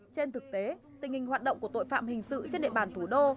trên thực tế tình hình hoạt động của tội phạm hình sự trên địa bàn thủ đô